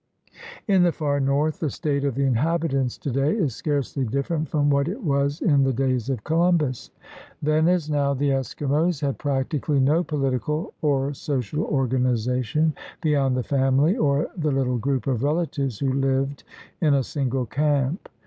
In the far north the state of the inhabitants to day is scarcely different from what it was in the days of Columbus. Then, as now, the Eskimos had practically no political or social organization beyond the family or the little group of relatives who lived in a single camp.